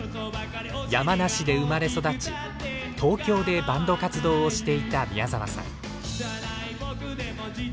山梨で生まれ育ち東京でバンド活動をしていた宮沢さん。